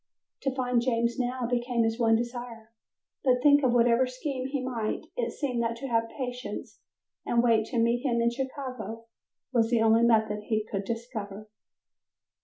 To find James now became his one desire, but think of whatever scheme he might, it seemed that to have patience and wait to meet him in Chicago was the only method he could discover.